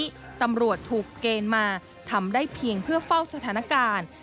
ตอนนี้ตำรวจถูกเกณฑ์มาทำได้เพียงเพื่อเฝ้าสถานการณ์